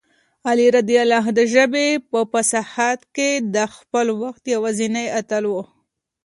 علي رض د ژبې په فصاحت کې د خپل وخت یوازینی اتل و.